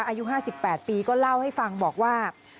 อายุ๕๘ปีก็เล่าให้ฟังบอกว่า